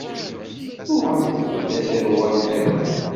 Uɣalet-d, a tarwa n Adem!